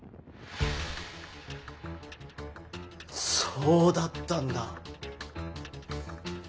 そうだったんだ。